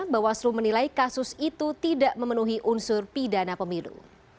bawaslu menilai kasus itu tidak memenuhi unsur pidana pemilu